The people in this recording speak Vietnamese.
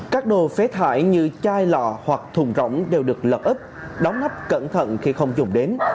các đồ phế thải như chai lọ hoặc thùng rỗng đều được lập ức đóng nắp cẩn thận khi không dùng đến